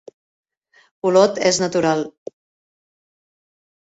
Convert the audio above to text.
Olot és natural.